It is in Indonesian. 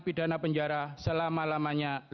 pidana penjara selama lamanya